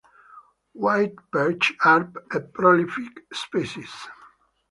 White perch are a prolific species.